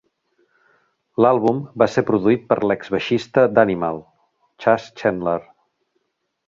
L'àlbum va ser produït per l'ex baixista d'Animal, Chas Chandler.